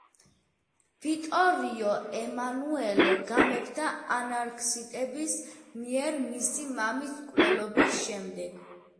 ვიტორიო ემანუელე გამეფდა ანარქისტების მიერ მისი მამის მკვლელობის შემდეგ.